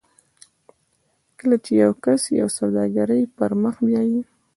کله چې یو کس یوه سوداګري پر مخ بیایي